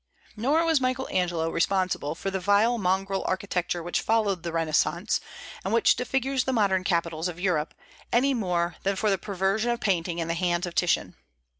Nor was Michael Angelo responsible for the vile mongrel architecture which followed the Renaissance, and which disfigures the modern capitals of Europe, any more than for the perversion of painting in the hands of Titian.